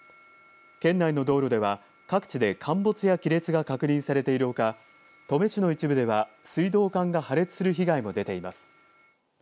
県内の道路では各地で陥没や亀裂が確認されているほか登米市の一部では水道管が破裂する被害も出ています。